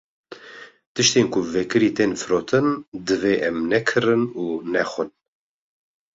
Tiştên ku vekirî tên firotin divê em nekirin û nexwin.